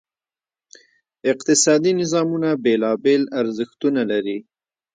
اقتصادي نظامونه بېلابېل ارزښتونه لري.